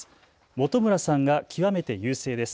本村さんが極めて優勢です。